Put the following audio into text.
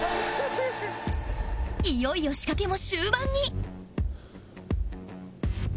いよいよ仕掛けも終盤に